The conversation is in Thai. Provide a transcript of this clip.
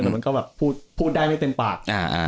มันก็แบบพูดได้ไม่เต็มปาก